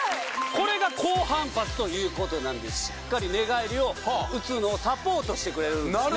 これが高反発ということなんでしっかり寝返りを打つのをサポートしてくれるんですね